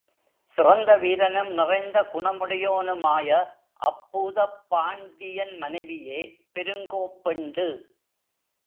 சிறந்த வீரனும், நிறைந்த குணமுடையோனுமாய அப்பூதப் பாண்டியன் மனைவியே பெருங்கோப் பெண்டு.